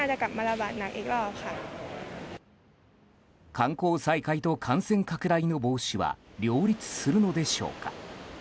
観光再開と感染拡大の防止は両立するのでしょうか。